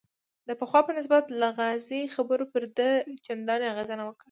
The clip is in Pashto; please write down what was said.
د پخوا په نسبت لغازي خبرو پر ده چندان اغېز نه کاوه.